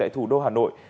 tại thủ đô hà nội